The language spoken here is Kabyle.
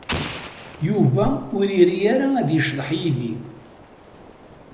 Yuba ur iri ara ad yecḍeḥ yid-i.